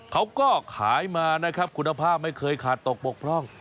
เขาก็ขายมานะครับคุณภาพไม่เคยขาดตกบกพร่อง